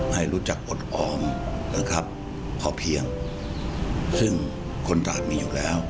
ให้รู้จักอดออมนะครับพอเพียงซึ่งคนตราดมีอยู่แล้ว